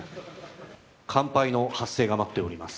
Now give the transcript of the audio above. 乾杯の発声が待っております